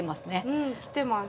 うんきてます。